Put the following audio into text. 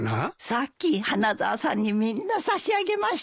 さっき花沢さんにみんな差し上げましたけど。